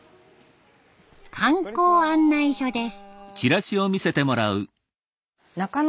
観光案内所です。